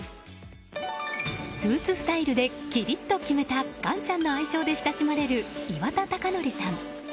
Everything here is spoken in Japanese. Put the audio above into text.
スーツスタイルでキリッと決めた岩ちゃんの愛称で親しまれる岩田剛典さん。